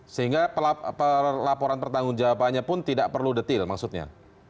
sehingga laporan pertanggung jawabannya pun tidak perlu detail maksudnya